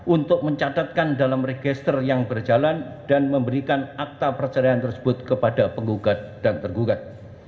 untuk mencatatkan dalam register yang berjalan dan memberikan akta perceraian tersebut kepada penggugat dan tergugat